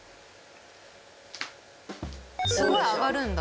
すごい上がるんだ。